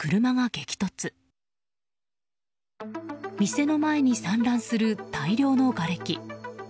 店の前に散乱する大量のがれき。